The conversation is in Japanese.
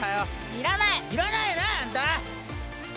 いらないやないあんた！